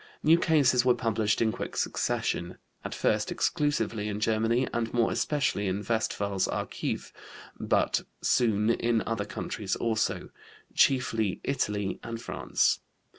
New cases were published in quick succession, at first exclusively in Germany, and more especially in Westphal's Archiv, but soon in other countries also, chiefly Italy and France.